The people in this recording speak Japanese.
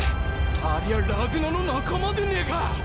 ありゃラグナの仲間でねえか！